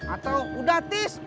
atau udah tis